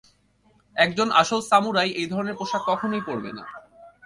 একজন আসল সামুরাই এই ধরনের পোশাক কখনোই পরবে না।